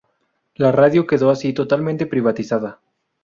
La radio quedó así totalmente privatizada.